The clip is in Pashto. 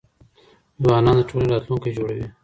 ځوانان د ټولني راتلونکي جوړوي.